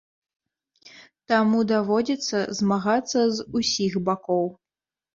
Таму даводзіцца змагацца з усіх бакоў.